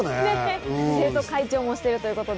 生徒会長もしているということで。